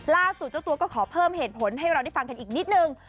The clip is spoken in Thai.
เจ้าตัวก็ขอเพิ่มเหตุผลให้เราได้ฟังกันอีกนิดนึง